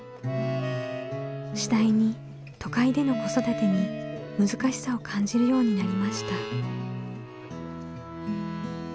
次第に都会での子育てに難しさを感じるようになりました。